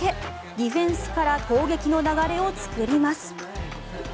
ディフェンスから攻撃の流れを作ります。